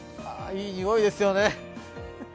あ、いいにおいですよね。